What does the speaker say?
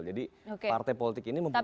jadi partai politik ini membutuhkan